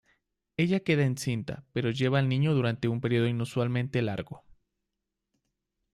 Ella queda encinta, pero lleva al niño durante un periodo inusualmente largo.